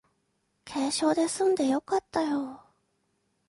軽傷ですんでよかったよ